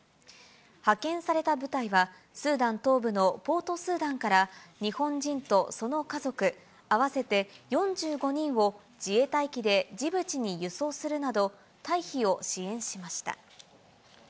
派遣された部隊は、スーダン東部のポートスーダンから、日本人とその家族合わせて４５人を自衛隊機でジブチに輸送するなど、退避を支援しました。